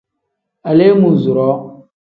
Aleemuuzuroo.